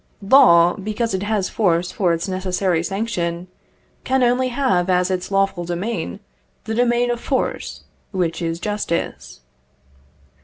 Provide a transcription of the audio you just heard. Law, because it has force for its necessary sanction, can only have as its lawful domain the domain of force, which is justice.